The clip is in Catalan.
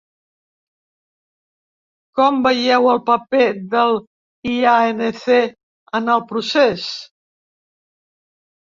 Com veieu el paper de lANC en el procés?